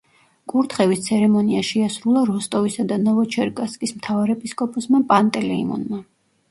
კურთხევის ცერემონია შეასრულა როსტოვისა და ნოვოჩერკასკის მთავარეპისკოპოსმა პანტელეიმონმა.